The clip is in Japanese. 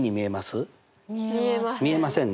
見えません。